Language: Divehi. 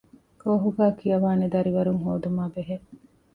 ކޯހުގައި ކިޔަވާނެ ދަރިވަރުން ހޯދުމާ ބެހޭ